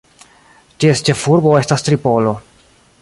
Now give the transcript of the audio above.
Ties ĉefurbo estas Tripolo.